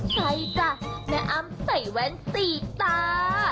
ใช่จ้ะแม่อ้ำใส่แว่นสีตา